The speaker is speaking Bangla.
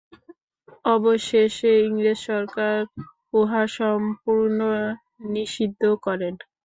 অবশেষে ইংরেজ সরকার উহা সম্পূর্ণ নিষিদ্ধ করেন।